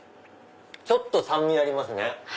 ちょっと酸味ありますね。